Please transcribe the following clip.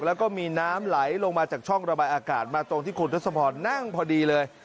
แล้วก็มีน้ำไหลลงมาจากช่องระบายอากาศมาตรงที่คุณทศพรนั่งพอดีเลย